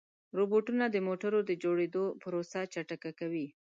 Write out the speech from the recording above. روبوټونه د موټرو د جوړېدو پروسه چټکه کوي.